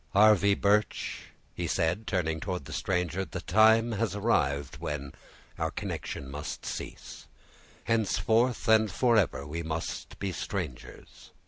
"Harvey Birch," he said, turning to the stranger, "the time has arrived when our connection must cease; henceforth and forever we must be strangers."